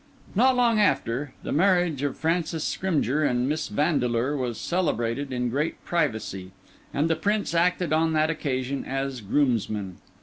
Not long after, the marriage of Francis Scrymgeour and Miss Vandeleur was celebrated in great privacy; and the Prince acted on that occasion as groomsman.